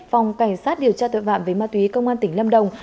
phòng cảnh sát điều tra tội vạm với ma túy công an tỉnh lâm đồng